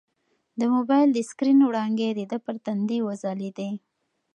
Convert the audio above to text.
د موبایل د سکرین وړانګې د ده پر تندي وځلېدې.